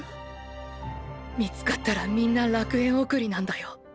見つかったらみんな楽園送りなんだよ？